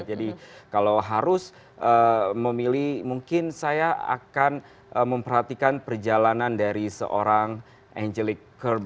jadi kalau harus memilih mungkin saya akan memperhatikan perjalanan dari seorang angelic kerb